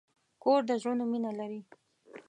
کور د زړونو مینه لري.